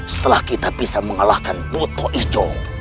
setelah kita bisa mengalahkan buto hijo